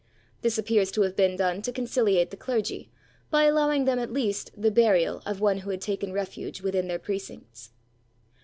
This appears to have been done to conciliate the clergy, by allowing them, at least, the burial of one who had taken refuge within their precincts.